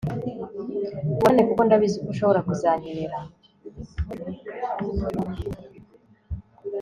tubonane, kuko ndabizi ko ushobora kuzankenera!